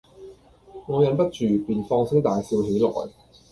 我忍不住，便放聲大笑起來，